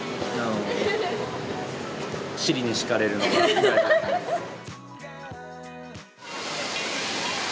尻に敷かれるのが大事ですね。